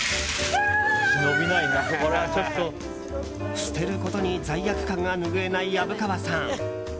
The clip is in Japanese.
捨てることに罪悪感が拭えない虻川さん。